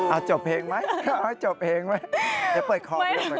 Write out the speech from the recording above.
อาจจบเพลงไหมอาจจบเพลงไหม